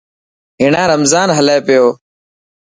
هيڻا رمضان هلي پيو.